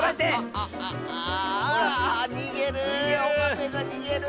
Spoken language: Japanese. あにげる！